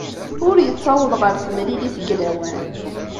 Ur yettaweḍ ɣer temlilit deg lawan.